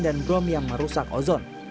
dan brom yang merusak ozon